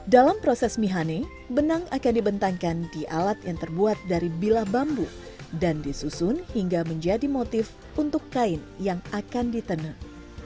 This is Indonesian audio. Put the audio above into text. dalam proses mihane benang akan dibentangkan di alat yang terbuat dari bilah bambu dan disusun hingga menjadi motif untuk kain yang akan ditenun